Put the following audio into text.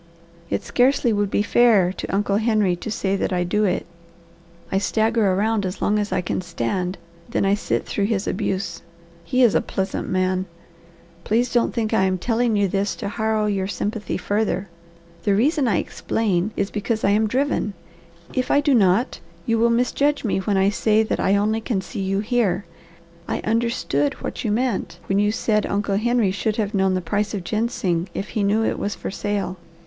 It scarcely would be fair to Uncle Henry to say that I do it. I stagger around as long as I can stand, then I sit through his abuse. He is a pleasant man. Please don't think I am telling you this to harrow your sympathy further. The reason I explain is because I am driven. If I do not, you will misjudge me when I say that I only can see you here. I understood what you meant when you said Uncle Henry should have known the price of ginseng if he knew it was for sale.